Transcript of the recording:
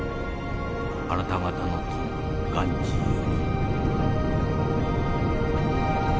あなた方の友ガンジーより」。